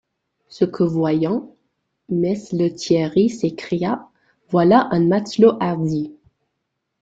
Ce que voyant, mess Lethierry s’écria: Voilà un matelot hardi!